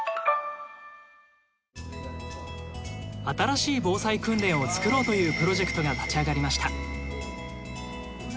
新しい防災訓練を作ろうというプロジェクトが立ち上がりました。